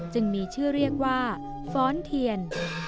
จึงมีชื่อเรียกว่าฟ้อนเทียน